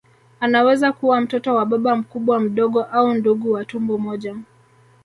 Anaweza kuwa mtoto wa baba mkubwa mdogo au ndugu wa tumbo moja